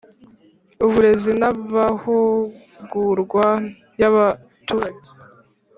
uburezi n'amahugurwa y'abaturage